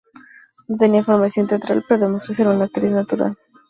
No tenía formación teatral, pero demostró ser una actriz natural.